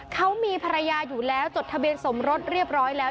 เขามีภรรยาอยู่แล้วจดทะเบียนสมรสเรียบร้อยแล้ว